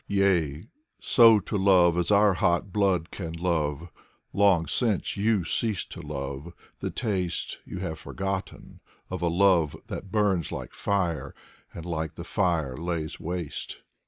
Yea, so to love as our hot blood can love Long since you ceased to love; the taste You have forgotten, of a love That burns like fire and like the fire lays waste.